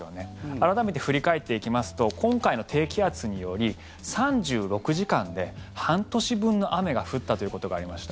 改めて振り返っていきますと今回の低気圧により３６時間で半年分の雨が降ったということがありました。